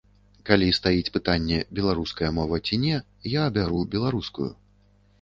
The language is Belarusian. Калі стаіць пытанне, беларуская мова ці не, я абяру беларускую.